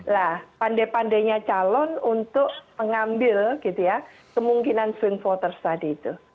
nah pandai pandainya calon untuk mengambil gitu ya kemungkinan swing voters tadi itu